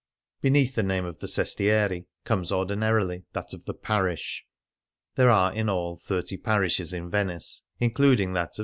Beneath the name of the sestiere comes, ordinarily, that of the parish. There are in all thirty parishes in Venice, including that of S.